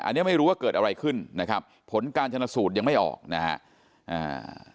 อันนี้ไม่รู้ว่าเกิดอะไรขึ้นนะครับผลการชนสูตรยังไม่ออกนะฮะอ่า